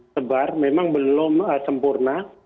sebar memang belum sempurna